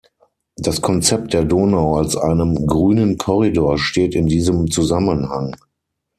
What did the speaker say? Das Konzept der Donau als einem grünen Korridor steht in diesem Zusammenhang.